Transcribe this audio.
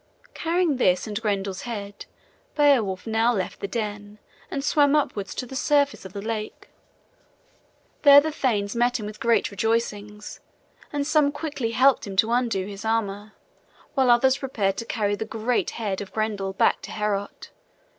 Carrying this and Grendel's head, Beowulf now left the den and swam upwards to the surface of the lake. There the thanes met him with great rejoicings, and some quickly helped him to undo his armor, while others prepared to carry the great head of Grendel back to Heorot.